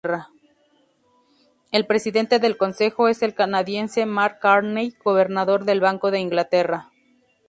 El presidente del Consejo es el canadiense Mark Carney, Gobernador del Banco de Inglaterra.